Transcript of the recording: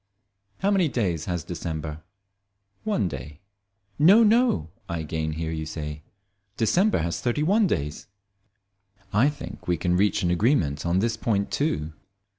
How many days has December? One day. "No, no," I again hear you say, "December has thirty one days." I think we can reach an agreement on this point too.